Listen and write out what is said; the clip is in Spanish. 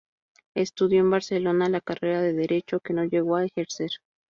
Estudió en Barcelona la carrera de Derecho, que no llegó a ejercer.